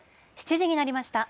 ７時になりました。